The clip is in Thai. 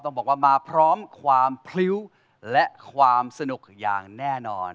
ต้องบอกว่ามาพร้อมความพริ้วและความสนุกอย่างแน่นอน